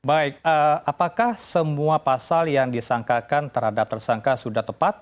baik apakah semua pasal yang disangkakan terhadap tersangka sudah tepat